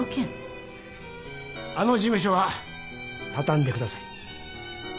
あの事務所は畳んでください